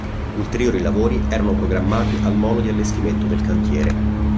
Ulteriori lavori erano programmati al molo di allestimento del cantiere.